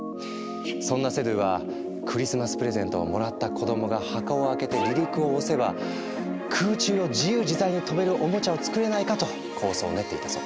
そんなセドゥは「クリスマスプレゼントをもらった子供が箱を開けて離陸を押せば空中を自由自在に飛べるおもちゃを作れないか」と構想を練っていたそう。